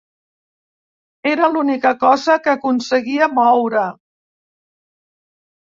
Era l'única cosa que aconseguia moure.